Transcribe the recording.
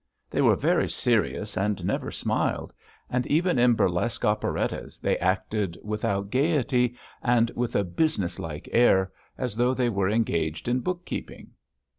They were very serious and never smiled, and even in burlesque operettas they acted without gaiety and with a businesslike air, as though they were engaged in bookkeeping.